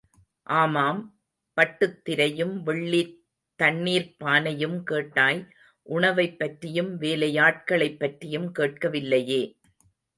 ஆமாம், பட்டுத் திரையும், வெள்ளித் தண்ணிர்ப் பானையும் கேட்டாய், உணவைப் பற்றியும் வேலையாட்களைப் பற்றியும் கேட்கவில்லையே.